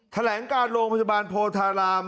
แถลงการโรงพยาบาลโพธาราม